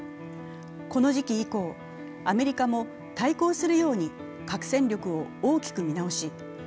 この時期以降、アメリカも対抗するように核戦力を大きく見直し